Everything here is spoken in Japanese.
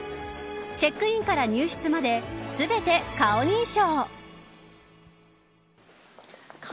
チェックインから入室まで全て顔認証。